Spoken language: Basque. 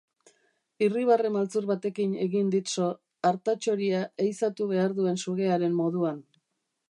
Irribarre maltzur batekin egin dit so, artatxoria ehizatu behar duen sugearen moduan.